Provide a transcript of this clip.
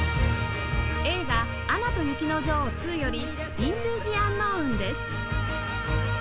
映画『アナと雪の女王２』より『イントゥ・ジ・アンノウン』です